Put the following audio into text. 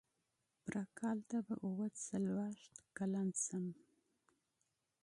يره کال ته به اوه څلوېښت کلن شم.